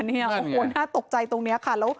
น่าตกใจตรงนี้ค่ะ